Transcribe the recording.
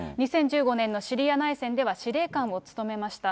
２０１５年のシリア内戦では司令官を務めました。